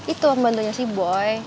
itu yang bantunya si boy